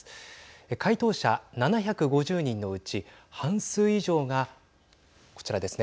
回答者７５０人のうち半数以上がこちらですね。